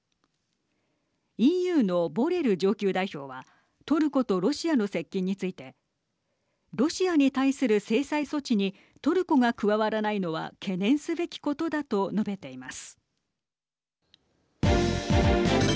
ＥＵのボレル上級代表はトルコとロシアの接近についてロシアに対する制裁措置にトルコが加わらないのは懸念すべきことだと述べています。